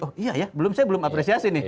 oh iya ya belum saya belum apresiasi nih